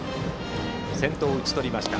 先頭を打ち取りました。